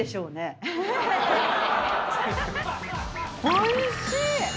おいしい！